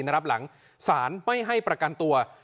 รับหลังศาลไม่ให้ประกันตัว